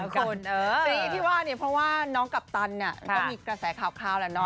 คนที่ว่าเนี่ยเพราะว่าน้องกัปตันก็มีกระแสข่าวแหละเนาะ